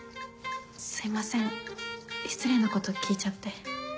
すいません失礼なこと聞いちゃって。